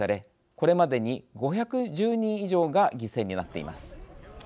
これまでに５１０人以上が犠牲になっています。